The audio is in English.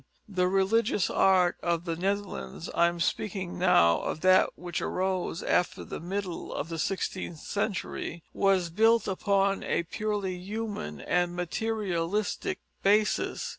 The religious art of the Netherlands I am speaking now of that which arose after the middle of the sixteenth century was built upon a purely human and materialistic basis.